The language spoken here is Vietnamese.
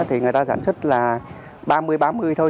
thì người ta sản xuất là ba mươi tám mươi thôi